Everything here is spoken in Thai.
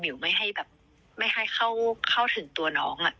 หมิวไม่ให้เข้าถึงตัวน้อง